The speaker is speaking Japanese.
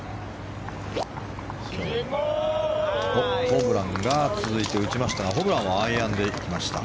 ホブランが続いて打ちましたがホブランはアイアンで行きました。